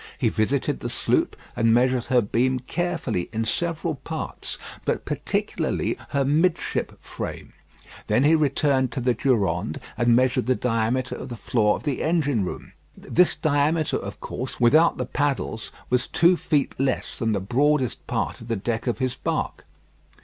He visited the sloop and measured her beam carefully in several parts, but particularly her midship frame. Then he returned to the Durande and measured the diameter of the floor of the engine room. This diameter, of course, without the paddles, was two feet less than the broadest part of the deck of his bark.